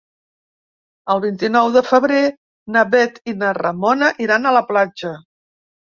El vint-i-nou de febrer na Bet i na Ramona iran a la platja.